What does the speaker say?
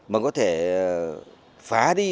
mà có thể phá đi